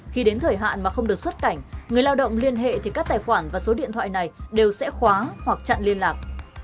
khi đến thời hạn mà không được xuất cảnh người lao động liên hệ thì các tài khoản và số điện thoại này đều sẽ khóa hoặc chặn liên lạc